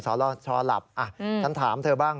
สรณชอบฉันถามเธอบ้าง